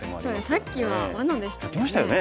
さっきはわなでしたね。